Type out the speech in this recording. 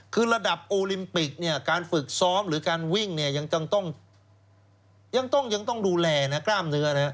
คือระดับโอลิมปิกการฝึกซ้อมหรือการวิ่งยังต้องดูแลกล้ามเนื้อ